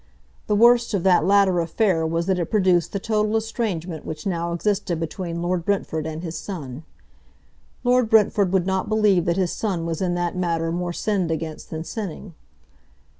The worst of that latter affair was that it produced the total estrangement which now existed between Lord Brentford and his son. Lord Brentford would not believe that his son was in that matter more sinned against than sinning.